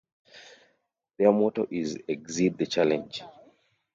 Their motto is Exceed the Challenge.